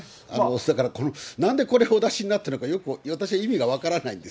だからなんでこれをお出しになってるのか、よく、私意味が分からないです。